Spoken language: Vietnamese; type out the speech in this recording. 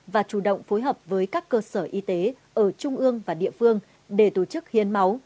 và chủ động phối hợp với các cơ sở y tế ở trung ương và địa phương để tổ chức hiến máu